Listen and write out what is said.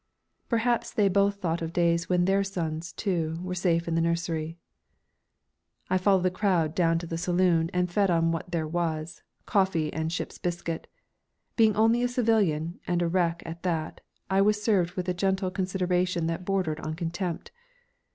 Perhaps they both thought of days when their sons, too, were safe in the nursery. I followed the crowd down to the saloon and fed on what there was coffee and ship's biscuit. Being only a civilian, and a wreck at that, I was served with a gentle consideration that bordered on contempt.